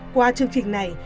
qua chương trình này